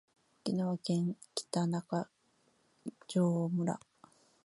沖縄県北中城村